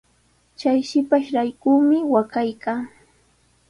Chay shipashraykumi waqaykaa.